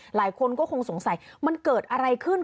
หลายคนก็คงสงสัยมันเกิดอะไรขึ้น